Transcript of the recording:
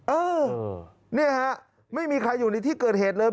เออเนี่ยฮะไม่มีใครอยู่ในที่เกิดเหตุเลย